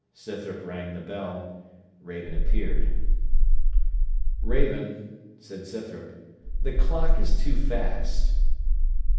Scythrop rang the bell: Raven appeared. 'Raven,' said Scythrop, 'the clock is too fast.'